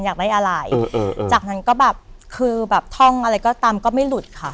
อยากได้อะไรจากนั้นก็แบบคือแบบท่องอะไรก็ตามก็ไม่หลุดค่ะ